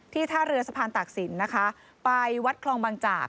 ที่ท่าเรือสะพานตากสินไปวัดคลองบางจาก